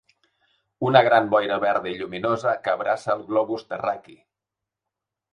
Una gran boira verda i lluminosa que abraça el globus terraqüi.